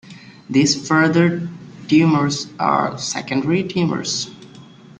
These further tumors are secondary tumors.